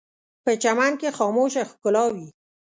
په چمن کې خاموشه ښکلا وي